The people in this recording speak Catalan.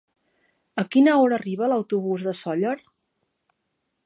A quina hora arriba l'autobús de Sóller?